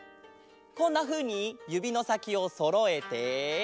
こんなふうにゆびのさきをそろえて。